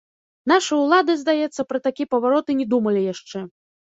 Нашы ўлады, здаецца, пра такі паварот і не думалі яшчэ.